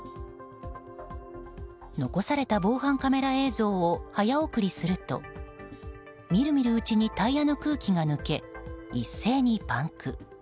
残された防犯カメラ映像を早送りするとみるみるうちにタイヤの空気が抜け一斉にパンク。